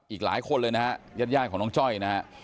อีกหลายคนเลยนะฮะญาติของน้องจ้อยนะฮะ